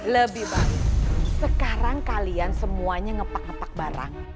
lebih bang sekarang kalian semuanya ngepak ngepak barang